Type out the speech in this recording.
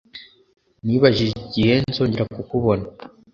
Nibajije igihe nzongera kukubona.